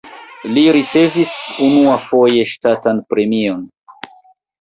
Li ricevis unuafoje ŝtatan premion.